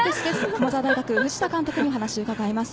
駒澤大学の藤田監督に話を伺います。